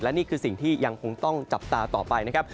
นี่คือสิ่งที่ยังคงต้องจับตาต่อไปนะครับ